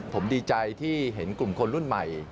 ผมดีใจที่เห็นกลุ่มคนรุ่นใหม่